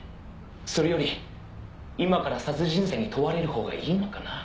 「それより今から殺人罪に問われるほうがいいのかな？」